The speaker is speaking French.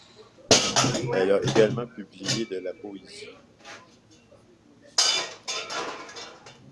Elle a également publié de la poésie.